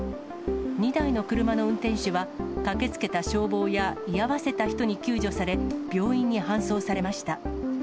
２台の車の運転手は、駆けつけた消防や居合わせた人に救助され、病院に搬送されました。